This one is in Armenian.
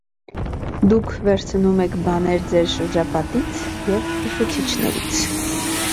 Դուք վերցնում եք բաներ ձեր շրջապատից և ուսուցիչներից։